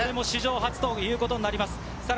史上初ということになります。